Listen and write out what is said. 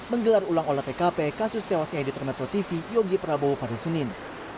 menggelar ulang olah pkp kasus tewasnya editor metro tv yogi prabowo pada senin